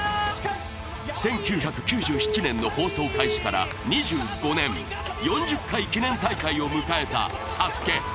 １９９７年の放送開始から２５年、４０回記念大会を迎えた「ＳＡＳＵＫＥ」。